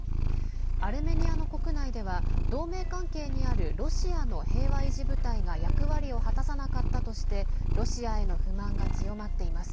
アルメニアの国内では同盟関係にあるロシアの平和維持部隊が役割を果たさなかったとしてロシアへの不満が強まっています。